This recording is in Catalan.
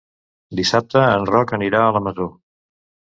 Dissabte en Roc anirà a la Masó.